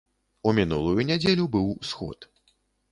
У мінулую нядзелю быў сход.